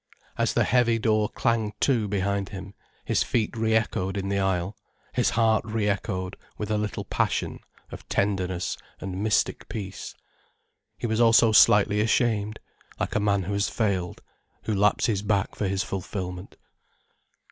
As the heavy door clanged to behind him, his feet re echoed in the aisle, his heart re echoed with a little passion of tenderness and mystic peace. He was also slightly ashamed, like a man who has failed, who lapses back for his fulfilment.